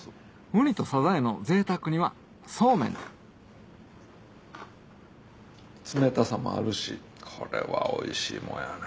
ウニとサザエの贅沢煮はそうめんで冷たさもあるしこれはおいしいもんやね。